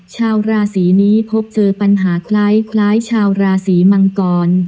ชาวราศีนี้พบเจอปัญหาคล้ายชาวราศีมังกร